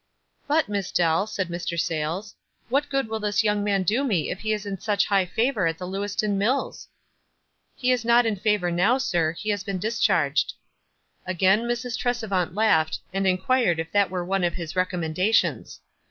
"But, Miss Dell," said Mr. Sayles, "what good will this young man do me if he is in such high favor at the Lewiston Mills?" "He is not in favor now, sir; he has been discharged." Again Mrs. Tresevant laughed, and inquired if that were one of his recommendations.